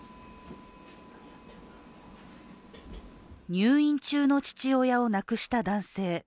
入院中の父親を亡くした男性。